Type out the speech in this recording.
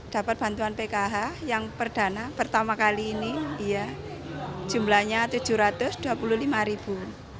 dapat bantuan pkh yang perdana pertama kali ini jumlahnya tujuh ratus dua puluh lima ribu